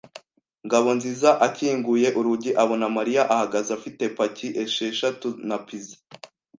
Ngabonziza akinguye urugi, abona Mariya ahagaze afite paki esheshatu na pizza.